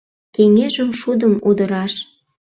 Кеҥежым шудым удыраш